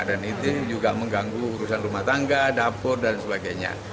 dan itu juga mengganggu urusan rumah tangga dapur dan sebagainya